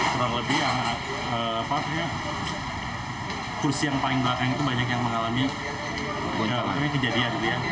terang lebih kursi yang paling belakang itu banyak yang mengalami kejadian